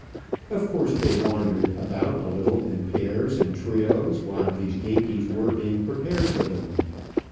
Of course they wandered about a little in pairs and trios while these dainties were being prepared for them.